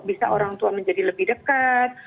bisa orang tua menjadi lebih dekat